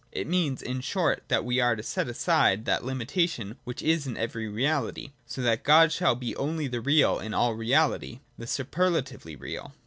It means, in short, that we are to set aside that limitation which is in every reality, so that God shall be only the real in all reality, the superlatively real.